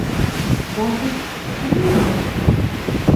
Давид... килмәнеме?